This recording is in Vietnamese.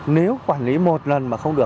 nếu quản lý một lần mà không được